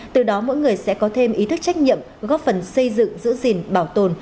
từ đó mỗi người sẽ có thêm ý thức trách nhiệm góp phần xây dựng giữ gìn bảo tồn